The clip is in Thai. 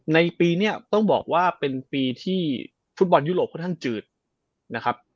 ในปีนี้ต้องบอกว่าเป็นปีที่ฟุตบอลยุโรปค่อนข้างจืดนะครับ